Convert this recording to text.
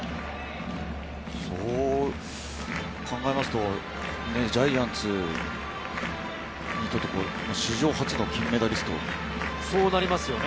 そう考えると、ジャイアンツにとって史上初の金メダリストということですよね。